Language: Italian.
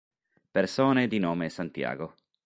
Persone di nome Santiago